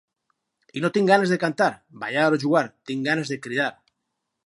I no tinc ganes de cantar, ballar o jugar: tinc ganes de cridar.